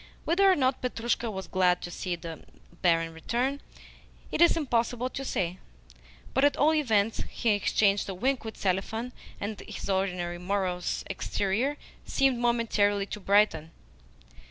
Whether or not Petrushka was glad to see the barin return it is impossible to say, but at all events he exchanged a wink with Selifan, and his ordinarily morose exterior seemed momentarily to brighten.